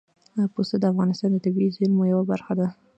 پسه د افغانستان د طبیعي زیرمو یوه برخه ده.